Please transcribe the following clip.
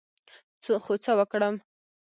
خو څه وکړم،